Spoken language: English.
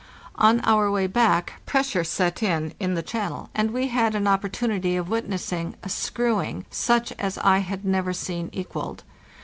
On our way back pressure set in in the channel, and we had an opportunity of witnessing a " screw ing' such as I had never seen equalled.